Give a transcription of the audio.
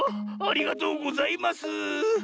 ありがとうございます！